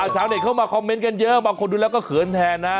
ชาวเน็ตเข้ามาคอมเมนต์กันเยอะบางคนดูแล้วก็เขินแทนนะ